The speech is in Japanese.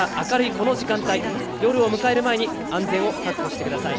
この時間帯、夜を迎える前に、安全を確保してください。